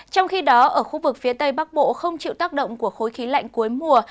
trong khi đó ở khu vực phía tây bắc bộ không chịu tác động của khối khí lạnh cuối mùa